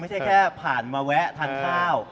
ไม่ใช่แค่ผ่านมาแวะทานข้าว